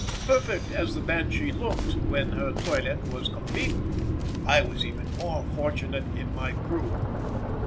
Perfect as the Banshee looked, when her toilet was complete, I was even more fortunate in my crew.